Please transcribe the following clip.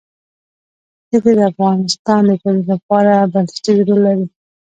ښتې د افغانستان د ټولنې لپاره بنسټيز رول لري.